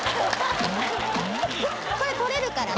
これ取れるからね。